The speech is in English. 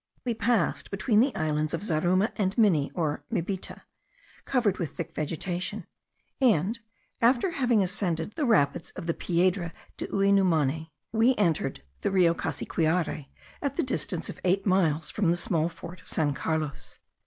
We passed between the islands of Zaruma and Mini, or Mibita, covered with thick vegetation; and, after having ascended the rapids of the Piedra de Uinumane, we entered the Rio Cassiquiare at the distance of eight miles from the small fort of San Carlos.